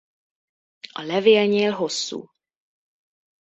A levélnyél hosszú.